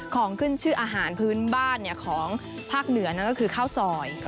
ของขึ้นชื่ออาหารพื้นบ้านของภาคเหนือนั่นก็คือข้าวซอย